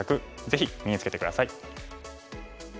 ぜひ身につけて下さい。